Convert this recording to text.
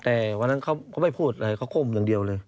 แต่วันนั้นเขาไม่พูดอะไรเขาก้มอย่างเดียวเลย